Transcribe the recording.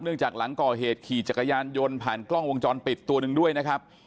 หลังจากหลังก่อเหตุขี่จักรยานยนต์ผ่านกล้องวงจรปิดตัวหนึ่งด้วยนะครับ